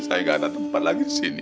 saya nggak ada tempat lagi di sini